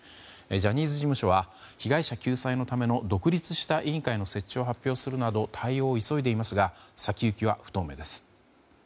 ジャニーズ事務所は被害者救済のための独立した委員会の設置を発表するなど対応を急いでいますが先行きは不透明です。